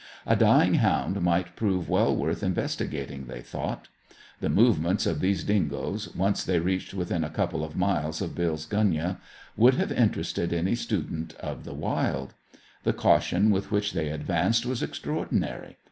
A dying hound might prove well worth investigating, they thought. The movements of these dingoes, once they reached within a couple of miles of Bill's gunyah, would have interested any student of the wild. The caution with which they advanced was extraordinary.